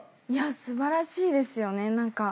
素晴らしいですよね。